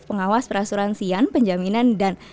pengawas perasuransian penjaminan dan